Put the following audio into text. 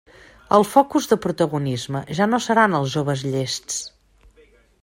Els focus de protagonisme ja no seran els joves llests.